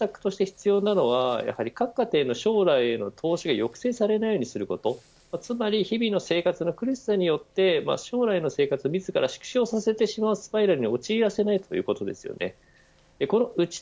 国の施策として必要なのは各家庭の将来への投資が抑制されないようにすることつまり日々の生活がの苦しさによって将来の生活を自ら縮小させてしまうスパイラルに陥らせないということです。